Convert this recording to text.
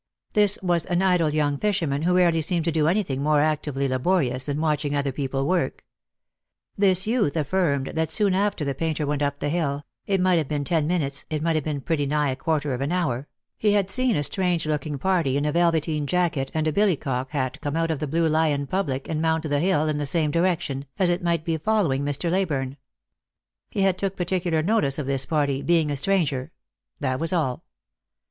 This was an idle young fisherman, who rarely seemed to do anything more actively laborious than watching other people work. This youth affirmed that soon after the painter went up the hill — it might have been ten minutes, it might have been pretty nigh a quarter of an hour he had seen a strange looking party in a velveteen jacket and a billycock hat come out of the Blue Lion public and mount the hill, in the same direction, as it might be following Mr. Ley burne. He had took particular notice of this party, being a etranger. That was all.